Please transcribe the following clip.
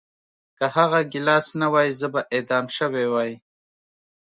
که هغه ګیلاس نه وای زه به اعدام شوی وای